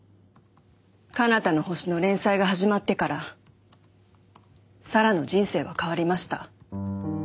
『彼方の星』の連載が始まってから咲良の人生は変わりました。